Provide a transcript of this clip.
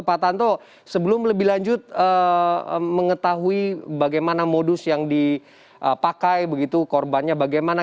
pak tanto sebelum lebih lanjut mengetahui bagaimana modus yang dipakai begitu korbannya bagaimana